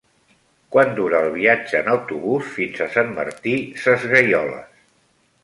Quant dura el viatge en autobús fins a Sant Martí Sesgueioles?